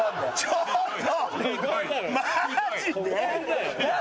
ちょっと！